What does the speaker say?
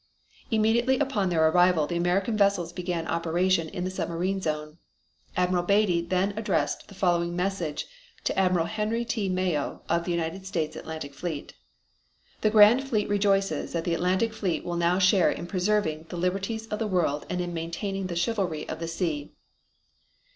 Immediately upon their arrival the American vessels began operation in the submarine zone. Admiral Beatty then addressed the following message to Admiral Henry T. Mayo of the United States Atlantic Fleet: The Grand Fleet rejoices that the Atlantic fleet will now share in preserving the liberties of the world and in maintaining the chivalry of the sea.